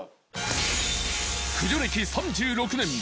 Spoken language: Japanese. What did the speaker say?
駆除歴３６年！